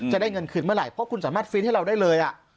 จะได้เงินคืนเมื่อไหร่เพราะคุณสามารถฟื้นให้เราได้เลย